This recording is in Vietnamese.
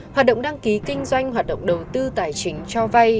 hoạt động đăng ký kinh doanh hoạt động đầu tư tài chính cho vay